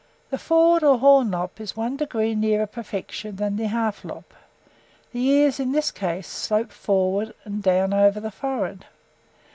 The forward or horn lop is one degree nearer perfection than the half lop: the ears, in this case, slope forward and down over the forehead.